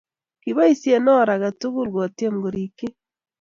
kiboisie or age tugul kotyem korikyi